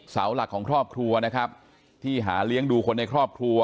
เสาหลักของครอบครัวนะครับที่หาเลี้ยงดูคนในครอบครัว